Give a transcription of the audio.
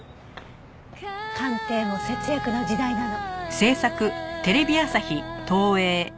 鑑定も節約の時代なの。